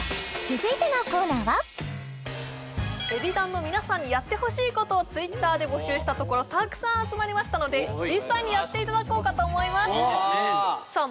ＥＢｉＤＡＮの皆さんにやってほしいことをＴｗｉｔｔｅｒで募集したところたくさん集まりましたので実際にやっていただこうかと思いますさあ